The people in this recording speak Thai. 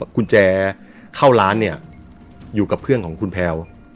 กุญแจเข้าร้านเนี่ยอยู่กับเพื่อนของคุณแพลว